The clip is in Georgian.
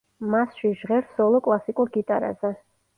მასში ჟღერს სოლო კლასიკურ გიტარაზე.